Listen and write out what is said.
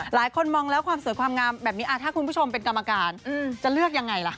หลายคนมองแล้วความสวยความงามแบบนี้ถ้าคุณผู้ชมเป็นกรรมการจะเลือกยังไงล่ะ